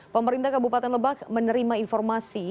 pemerintah kabupaten lebak menerima informasi